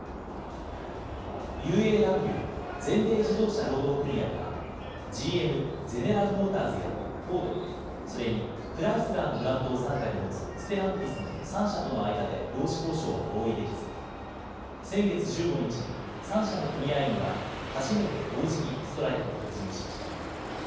ＵＡＷ・全米自動車労働組合は、ＧＭ・ゼネラル・モーターズやフォード、それにクライスラーのブランドを傘下に持つステランティスの３社との間で労使交渉が合意できず、先月１５日に３社の組合員が初めて同時にストライキに突入しました。